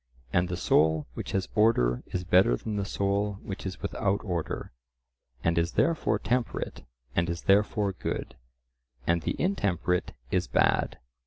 And the soul which has order is better than the soul which is without order, and is therefore temperate and is therefore good, and the intemperate is bad.